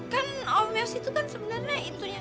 kan om yos itu kan sebenarnya itu ya